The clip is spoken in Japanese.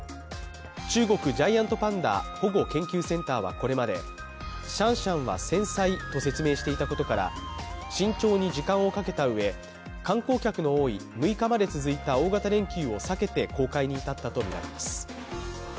中国ジャイアントパンダ保護研究センターはこれまで、シャンシャンは繊細と説明していたことから慎重に時間をかけたうえ観光客の多い６日まで続いた大型連休を避けて公開に至ったとみられます。